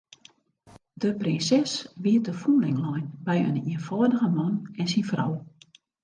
De prinses wie te fûnling lein by in ienfâldige man en syn frou.